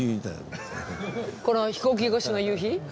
この飛行機越しの夕日？